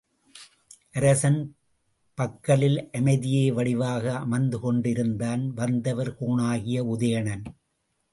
அரசன் பக்கலில் அமைதியே வடிவாக அமர்ந்து கொண்டிருந்தான் வத்தவர் கோனாகிய உதயணன்.